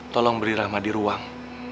tolong beri rahmadi ruang